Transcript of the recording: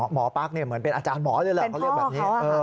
ปั๊กเหมือนเป็นอาจารย์หมอเลยแหละเขาเรียกแบบนี้